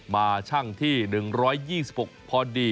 มาชั่งที่๑๒๖พอดี